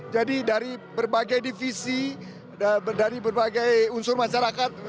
jadi dari berbagai divisi dari berbagai unsur masyarakat